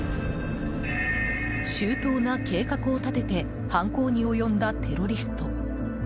周到な計画を立てて犯行に及んだテロリスト。